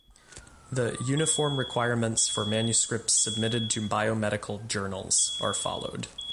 The "Uniform Requirements for Manuscripts Submitted to Biomedical Journals" are followed.